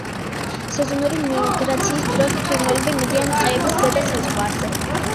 სეზონური მიგრაციის დროს ფრინველები მიდიან ტყეების ზედა საზღვარზე.